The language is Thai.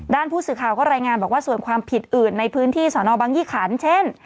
ผู้สื่อข่าวก็รายงานบอกว่าส่วนความผิดอื่นในพื้นที่สอนอบังยี่ขันเช่น